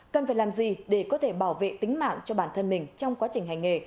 cần phải làm gì để có thể bảo vệ tính mạng cho bản thân mình trong quá trình hành nghề